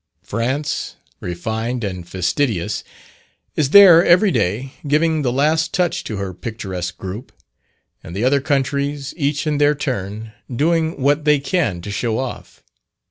France, refined and fastidious, is there every day, giving the last touch to her picturesque group; and the other countries, each in their turn, doing what they can to show off.